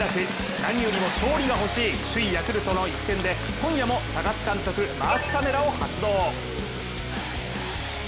何よりも勝利が欲しい首位・ヤクルトの一戦で今夜も高津監督マークカメラを発動。